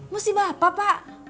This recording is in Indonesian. musibah apa pak